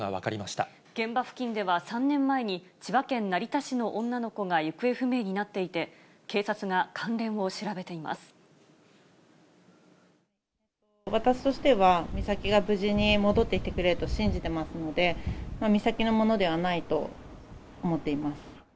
現場付近では、３年前に千葉県成田市の女の子が行方不明になっていて、警察が関私としては、美咲が無事に戻ってきてくれると信じてますので、美咲のものではないと思っています。